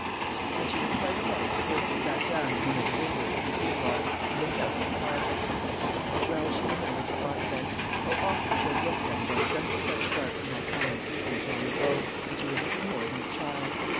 When she was quite alone, Clarissa sat down in one of the windows of her boudoir, and looked out at the park. How well she remembered the prospect! how often she had looked at it on just such darksome autumnal evenings long ago, when she was little more than a child!